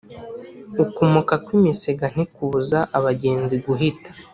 Ukumoka kw’imisega ntikubuza abagenzi guhita.